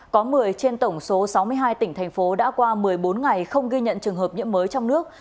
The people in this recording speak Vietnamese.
có một mươi trên tổng số sáu mươi hai tỉnh thành phố đã qua một mươi bốn ngày không ghi nhận trường hợp nhiễm mới trong nước